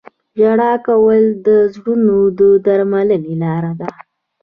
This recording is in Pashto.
• ژړا کول د زړونو د درملنې لاره ده.